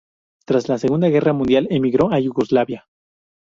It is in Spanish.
Tras la Segunda Guerra Mundial emigró a Yugoslavia.